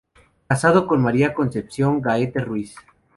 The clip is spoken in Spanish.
Casado con "María Concepción Gaete Ruiz".